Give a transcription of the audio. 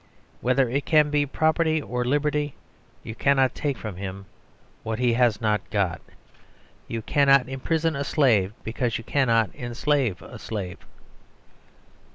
Whether it be property or liberty you cannot take from him what he has not got. You cannot imprison a slave, because you cannot enslave a slave.